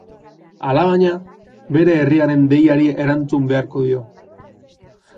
Alabaina, bere herriaren deiari erantzun beharko dio.